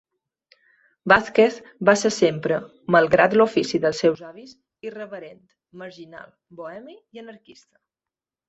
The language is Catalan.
Vázquez va ser sempre, malgrat l'ofici dels seus avis, irreverent, marginal, bohemi i anarquista.